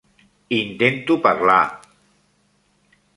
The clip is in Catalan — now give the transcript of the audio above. Intento parlar!